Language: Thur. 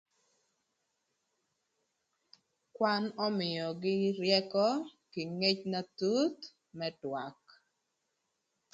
Kwan ömïögï ryëkö kï ngec na thuth më twak.